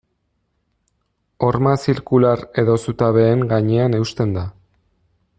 Horma zirkular edo zutabeen gainean eusten da.